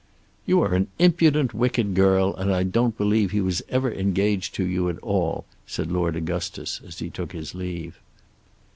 "You are an impudent, wicked girl, and I don't believe he was ever engaged to you at all," said Lord Augustus as he took his leave.